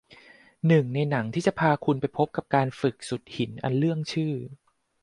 หนี่งในหนังที่จะพาคุณไปพบกับการฝึกสุดหินอันเลื่องลือ